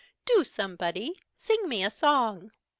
"Do, somebody, sing me a song."